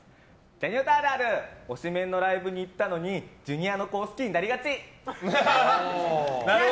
ジャニオタあるある推しメンのライブに行ったのにＪｒ．の子を好きになりがち。